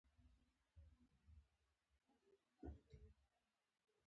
د ستوني د خارش لپاره باید څه شی غرغره کړم؟